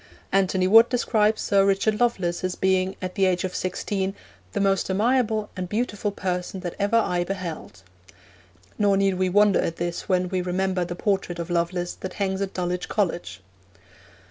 Antony Wood describes Sir Richard Lovelace as being, at the age of sixteen, 'the most amiable and beautiful person that ever eye beheld.' Nor need we wonder at this when we remember the portrait of Lovelace that hangs at Dulwich College.